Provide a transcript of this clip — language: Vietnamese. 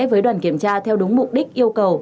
với đoàn kiểm tra theo đúng mục đích yêu cầu